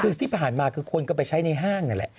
คือที่ผ่านมาคือคนก็ไปใช้ในห้างนั่นแหละ